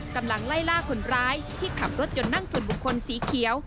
กำลังไล่ล่าคนร้ายที่ขับรถยนต์นั่งส่วนบุคคลสีเขียว